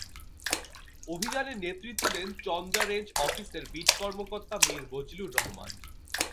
অভিযানের নেতৃত্ব দেন চন্দ্রা রেঞ্জ অফিসের বিট কর্মকর্তা মীর বজলুর রহমান।